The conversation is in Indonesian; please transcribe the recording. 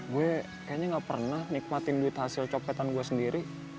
gue kayaknya gak pernah nikmatin duit hasil coketan gue sendiri